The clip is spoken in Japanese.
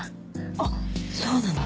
あっそうなの？